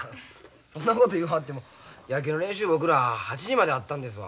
そんなこと言わはっても野球の練習僕ら８時まであったんですわ。